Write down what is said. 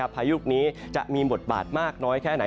พายุลูกนี้จะมีบทบาทมากน้อยแค่ไหน